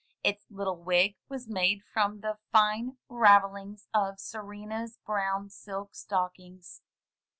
Its little wig was made from the fine ravel lings of Serena's brown silk stockings.